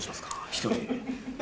１人。